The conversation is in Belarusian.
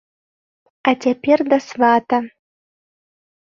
А цяпер да свата.